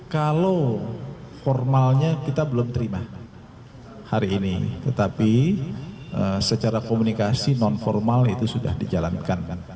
kalau formalnya kita belum terima hari ini tetapi secara komunikasi non formal itu sudah dijalankan